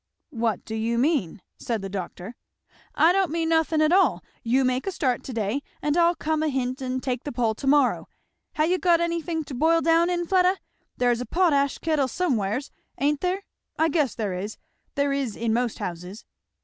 "What do you mean?" said the doctor. "I don't mean nothin' at all. You make a start to day and I'll come ahint and take the pull to morrow. Ha' you got anythin' to boil down in, Fleda? there's a potash kittle somewheres, ain't there? I guess there is. There is in most houses."